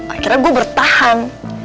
akhirnya gue bertahan